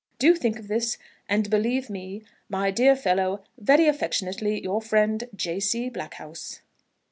Do think of this, and believe me, "My dear fellow, "Very affectionately, "Your friend, "J. C. BLACKHOUSE."